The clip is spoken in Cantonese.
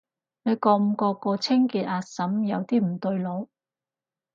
你覺唔覺個清潔阿嬸有啲唔對路？